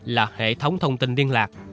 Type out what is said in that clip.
là hệ thống thông tin liên lạc